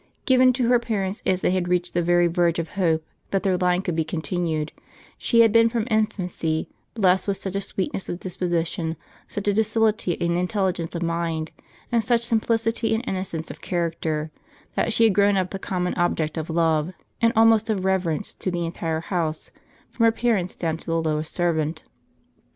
Given to her parents as they had reached the very verge of hope that their line could be continued, she had been from infancy blest with such a sweetness of disposition, such a docility and intelli gence of mind, and such simplicity and innocence of charac ter, that she had grown up the common object of love, and almost of reverence, to the entire house, from her parents down to the lowest servant.